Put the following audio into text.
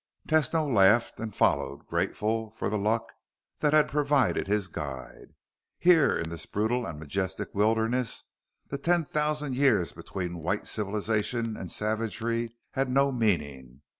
Tesno laughed and followed, grateful for the luck that had provided his guide. Here in this brutal and majestic wilderness the ten thousand years between white civilization and savagery had no meaning.